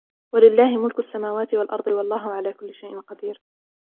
ولله ملك السماوات والأرض والله على كل شيء قدير